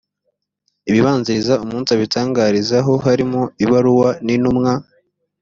ibibanziriza umunsi abitangarizaho harimo; ibaruwa, nintumwa.